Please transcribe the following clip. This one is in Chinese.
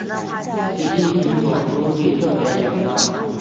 习近平总书记特别讲到